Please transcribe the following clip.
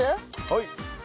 はい。